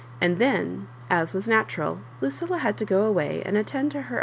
And then, as was na tural, Lucilla had to go away and attend to her